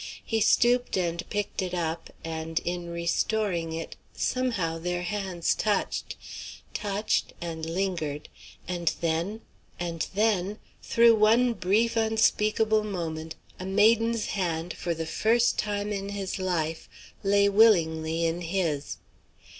He stooped and picked it up, and, in restoring it, somehow their hands touched, touched and lingered; and then and then through one brief unspeakable moment, a maiden's hand, for the first time in his life, lay willingly in his.